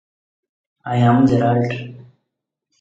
Ali remained unbeaten.